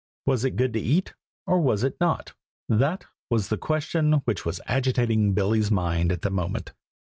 Was it good to eat, or was it not? that was the question which was agitating Billy's mind at that moment.